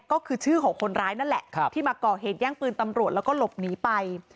ก็คือชื่อของคนร้ายนั่นแหละที่มาก่อเหตุแย่งปืนตำรวจแล้วก็หลบหนีไป